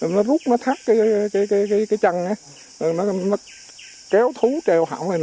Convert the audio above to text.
nó rút nó thắt cái chân ấy nó kéo thú treo hỏng này